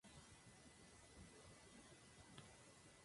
El segundo cuerpo de la torre alberga un reloj.